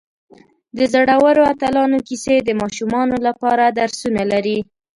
د زړورو اتلانو کیسې د ماشومانو لپاره درسونه لري.